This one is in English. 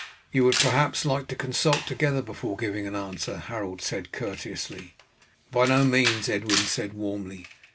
"You would perhaps like to consult together before giving an answer," Harold said courteously. "By no means," Edwin said warmly.